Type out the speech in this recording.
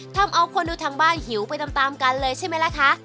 ทำเอาคนดูทางบ้านหิวไปตามกันเลยใช่ไหมล่ะคะ